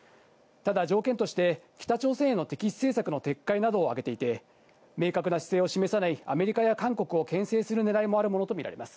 ただ条件として北朝鮮への敵視政策の撤回などを挙げていて明確な姿勢を示さないアメリカや韓国を牽制するねらいもあるものとみられます。